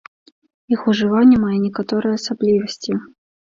Іх ужыванне мае некаторыя асаблівасці.